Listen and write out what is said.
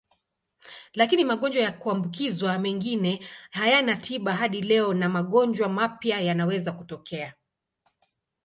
Lakini magonjwa ya kuambukizwa mengine hayana tiba hadi leo na magonjwa mapya yanaweza kutokea.